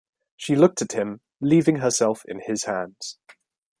She looked at him, leaving herself in his hands.